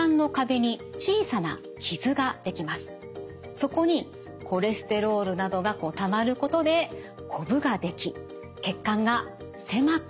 そこにコレステロールなどがたまることでこぶができ血管が狭くなっていきます。